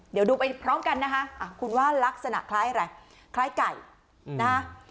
เดี๋ยวดูไปพร้อมกันนะคะคุณว่าลักษณะคล้ายอะไรคล้ายไก่นะฮะ